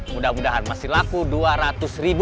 mudah mudahan masih laku rp dua ratus ribu